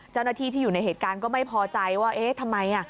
เจ้าหน้าที่ที่อยู่ในเหตุการณ์ก็ไม่พอใจว่าเอ๊ะทำไม